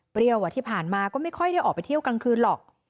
ที่ผ่านมาก็ไม่ค่อยได้ออกไปเที่ยวกลางคืนหรอก